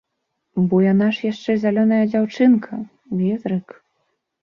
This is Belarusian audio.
Бо яна ж яшчэ зялёная дзяўчынка, ветрык…